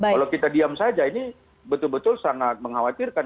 kalau kita diam saja ini betul betul sangat mengkhawatirkan